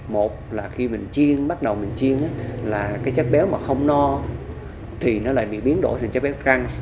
một là khi mình chiên bắt đầu mình chiên là cái chất béo mà không no thì nó lại bị biến đổi thành chất béo răng